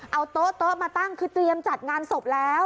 เอาโต๊ะมาตั้งคือเตรียมจัดงานศพแล้ว